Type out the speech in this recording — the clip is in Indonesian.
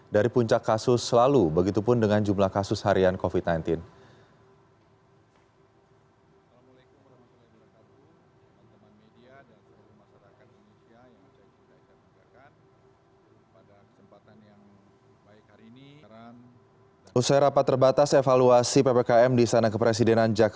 dari puncak kasus selalu begitu pun dengan jumlah kasus harian covid sembilan belas